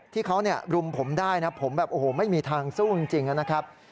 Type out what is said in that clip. ที่เขารุมผมได้ผมไม่มีทางสู้จริงนะครับ